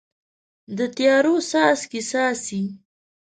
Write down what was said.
د تیارو څاڅکي، څاڅي